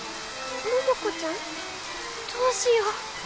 桃子ちゃん？どうしよう。